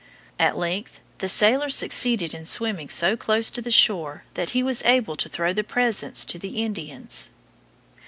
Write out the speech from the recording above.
At length the sailor succeeded in swimming so close to the shore that he was able to throw the presents to the Indians.